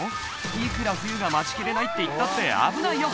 いくら冬が待ちきれないっていったって危ないよ